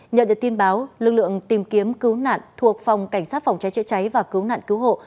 nhờ được tin báo lực lượng tìm kiếm cứu nạn thuộc phòng cảnh sát phòng cháy chữa cháy và cứu nạn cứu hộ